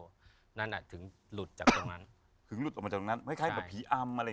จนผมต้องใช้กำหนดจิตว่าพุทธโทพุทธโทพุทธโท